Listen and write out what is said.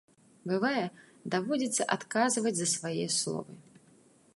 Бывае, даводзіцца адказваць за свае словы.